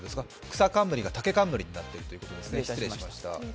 草冠が竹冠になっているということですか、失礼しました。